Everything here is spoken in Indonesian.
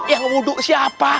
yang wudhu siapa